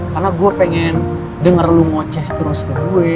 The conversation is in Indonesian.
karena gua pengen denger lu ngoceh terus ke gue